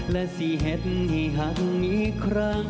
และสิเห็นหักมีครั้ง